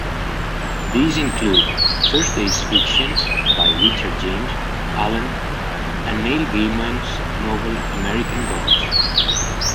These include "Thursday's fictions" by Richard James Allen and Neil Gaiman's novel "American Gods".